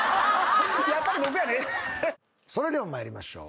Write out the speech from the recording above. それでは参りましょう。